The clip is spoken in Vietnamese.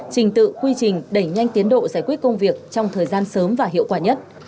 trình tự quy trình đẩy nhanh tiến độ giải quyết công việc trong thời gian sớm và hiệu quả nhất